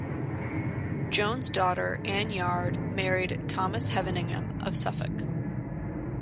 Joan's daughter, Anne Yarde married Thomas Heveningham of Suffolk.